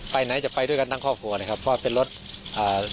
ไหนจะไปด้วยกันทั้งครอบครัวนะครับเพราะว่าเป็นรถอ่า